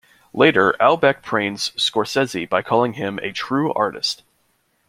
Later, Albeck praised Scorsese by calling him a "true artist".